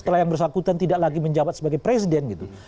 setelah yang bersangkutan tidak lagi menjabat sebagai presiden gitu